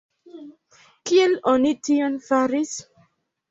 Kial oni tion faris?